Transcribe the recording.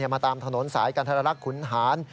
มาตามถนนสายกันทรรักขุนหาร